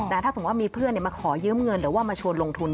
ถ้าสมมุติว่ามีเพื่อนมาขอยืมเงินหรือว่ามาชวนลงทุน